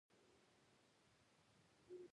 ما چې هرڅه ورته وويل.